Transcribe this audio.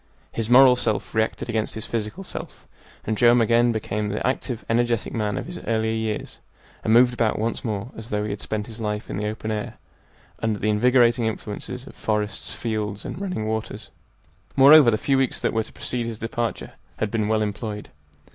His moral self reacted against his physical self, and Joam again became the active, energetic man of his earlier years, and moved about once more as though he had spent his life in the open air, under the invigorating influences of forests, fields, and running waters. Moreover, the few weeks that were to precede his departure had been well employed.